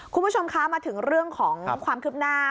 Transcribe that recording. คุณผู้ชมคะมาถึงเรื่องของความคืบหน้า